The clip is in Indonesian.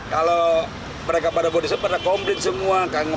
kalau mereka pada bodi sempat rekomplit semua nggak ngomong ngomong